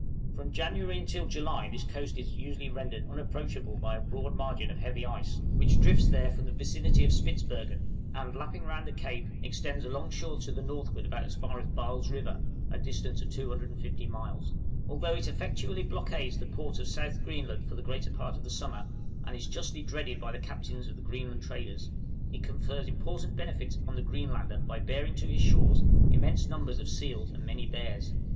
{GREENLAND.} From January until July this coast is usually rendered unapproachable by a broad margin of heavy ice, which drifts there from the vicinity of Spitzbergen, and, lapping round the Cape, extends alongshore to the northward about as far as Baal's River, a distance of 250 miles. Although it effectually blockades the ports of South Greenland for the greater part of the summer, and is justly dreaded by the captains of the Greenland traders, it confers important benefits upon the Greenlander by bearing to his shores immense numbers of seals and many bears.